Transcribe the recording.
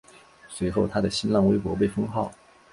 随后他的新浪微博被封号。